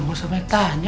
nggak usah banyak tanya